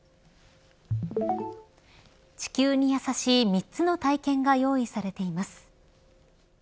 地球にやさしい３つの体験が用意されています。